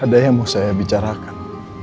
ada yang mau saya bicarakan